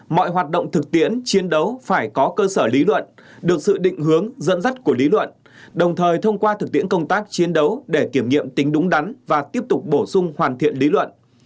mọi hoạt động thực tiễn chiến đấu phải có cơ sở lý luận được sự định hướng dẫn dắt của lý luận đồng thời thông qua thực tiễn công tác chiến đấu để kiểm nghiệm tính đúng đắn và tiếp tục bổ sung hoàn thiện lý luận